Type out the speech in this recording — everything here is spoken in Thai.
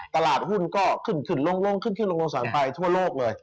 ตลาดหุ้นก็ขึ้นขึ้นลงขึ้นขึ้นลงสารไปทั่วโลกเลย